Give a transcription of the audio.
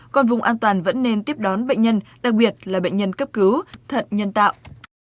còn vùng an toàn vẫn nên tiếp đón bệnh nhân đặc biệt là bệnh nhân cấp cứu thận nhân tạo